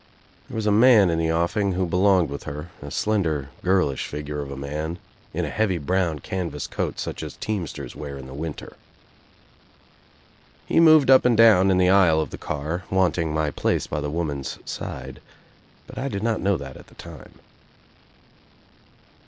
There was a man in the offing who be longed with her — a slender girlish figure of a man in a heavy brown canvas coat such as teamsters wear in the winter. He moved up and down in the aisle of the car, wanting my place by the woman's side, but I did not know that at the time.